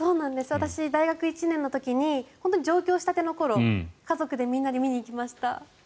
私、大学１年の時に上京したての頃家族でみんなで見に行きました。